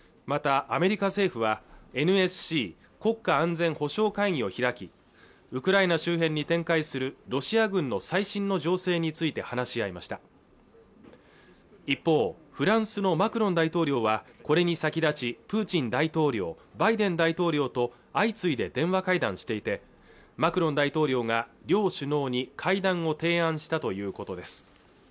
またアメリカ政府はＮＳＣ＝国家安全保障会議を開きウクライナ周辺に展開するロシア軍の最新の情勢について話し合いました一方、フランスのマクロン大統領はこれに先立ちプーチン大統領バイデン大統領と相次いで電話会談していてマクロン大統領が両首脳に会談を提案したということです